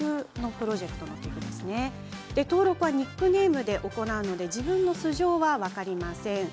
登録はニックネームで行うので自分の素性は分かりません。